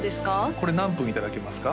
これ何分いただけますか？